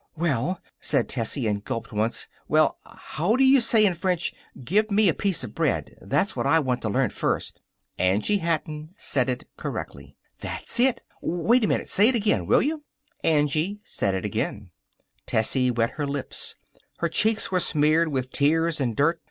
"Well," said Tessie, and gulped once, "well, how do you say in French: 'Give me a piece of bread'? That's what I want to learn first." Angie Hatton said it correctly. "That's it! Wait a minute! Say it again, will you?" Angie said it again, Tessie wet her lips. Her cheeks were smeared with tears and dirt.